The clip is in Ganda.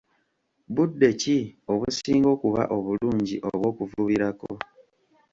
Budde ki obusinga okuba obulungi obw'okuvubirako?